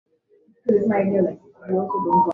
ndio wamembabikia mwanawe dawa hizo